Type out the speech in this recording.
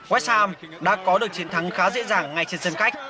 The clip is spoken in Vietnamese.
west ham đã có được chiến thắng khá dễ dàng ngay trên sân khách